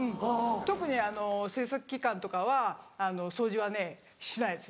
特に制作期間とかは掃除はねしないです